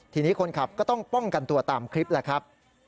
ทีนี้คนขับก็ต้องป้องกันตัวตามคลิปแหละครับ